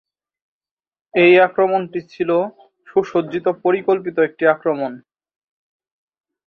এই আক্রমণটি ছিল সুসজ্জিত পরিকল্পিত একটি আক্রমণ।